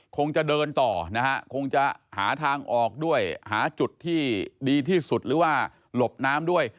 คงจะเดินต่อนะฮะคงจะหาทางออกด้วยหาจุดที่ดีที่สุดหรือว่าหลบน้ำด้วย